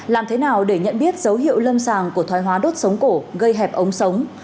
làm thế nào để nhận biết dấu hiệu lâm sàng của thoai hóa đốt sống cổ gây hẹp ống sống